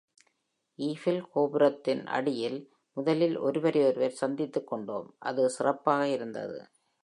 Eiffel கோபுரத்தின் அடியில் முதலில் ஒருவரையொருவர் சந்தித்துக்கொண்டோம், அது சிறப்பாக இருந்தது.